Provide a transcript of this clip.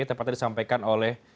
tepatnya disampaikan oleh